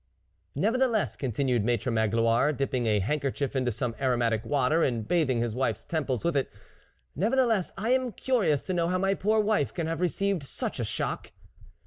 " Nevertheless," continued Maitre Mag loire, dipping a handkerchief into some aromatic water, and bathing his wife's temples with it, " nevertheless, I am cur 68 THE WOLF LEADER ious to know how my poor wife can have received such a shock."